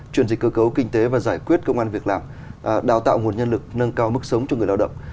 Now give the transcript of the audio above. chuyển dịch cơ cấu kinh tế và giải quyết công an việc làm đào tạo nguồn nhân lực nâng cao mức sống cho người lao động